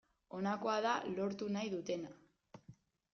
Honakoa da lortu nahi dutena.